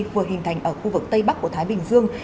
vừa hình thành ở khu vực tây bắc của thái bình dương